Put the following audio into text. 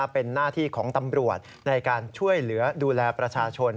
เป็นหน้าที่ของตำรวจในการช่วยเหลือดูแลประชาชน